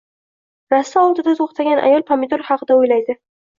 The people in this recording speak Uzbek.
Rasta oldida to‘xtagan ayol pomidor haqida o‘ylaydi